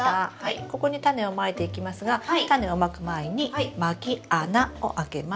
ここにタネをまいていきますがタネをまく前にまき穴をあけます。